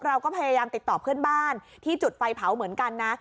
เราก็พยายามติดต่อเพื่อนบ้านที่จุดไฟเผาเหมือนกันนะ